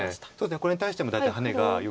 これに対しても大体ハネがよくある。